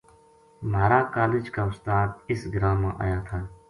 مھارا کالج کا استاد اِس گراں ما آیا تھا